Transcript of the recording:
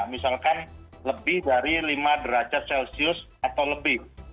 misalkan lebih dari lima derajat celcius atau lebih